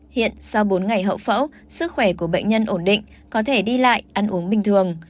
hiện sau bốn ngày hậu phẫu sức khỏe của bệnh nhân ổn định có thể đi lại ăn uống bình thường